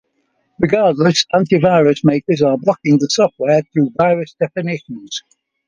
Regardless, anti-virus makers are blocking the software through virus definitions.